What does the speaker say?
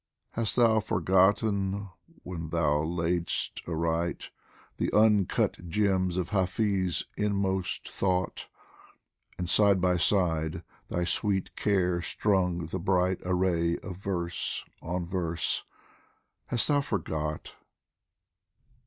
Hast thou forgotten when thou laid'st aright The uncut gems of HafiV inmost thought, And side by side thy sweet care strung the bright Array of verse on verse hast thou forgot